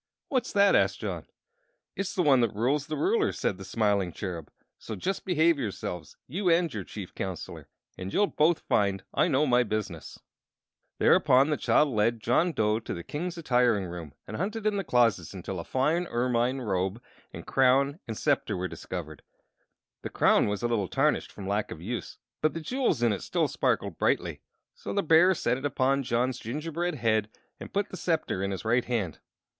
"What's that?" asked John. "It's the one that rules the ruler," said the smiling Cherub. "So just behave yourselves you and your Chief Counselor and you'll both find I know my business." Thereupon the child led John Dough to the King's attiring room, and hunted in the closets until a fine ermine robe and a crown and scepter were discovered. The crown was a little tarnished from lack of use, but the jewels in it still sparkled brightly; so the bear set it upon John's gingerbread head and put the scepter in his right hand.